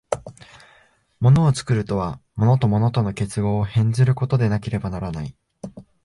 物を作るとは、物と物との結合を変ずることでなければならない。